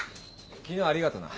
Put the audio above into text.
昨日ありがとな。